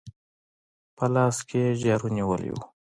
په لاس کې يې جارو نيولې وه.